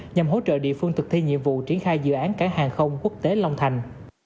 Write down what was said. nhằm hỗ trợ địa phương thực thi nhiệm vụ triển khai dự án cảng hàng không quốc tế long thành